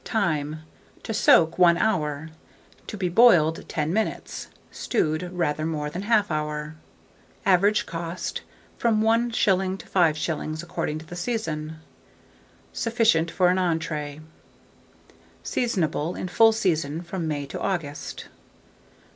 Time. To soak 1 hour, to be boiled 10 minutes, stewed rather more than 1/2 hour. Average cost, from 1s. to 5s., according to the season. Sufficient for an entrée. Seasonable. In full season from May to August.